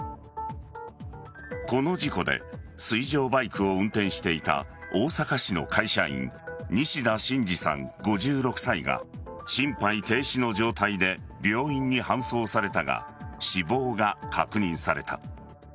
この事故で水上バイクを運転していた大阪市の会社員西田伸次さん、５６歳が心肺停止の状態で病院に搬送されたが死亡が確認された。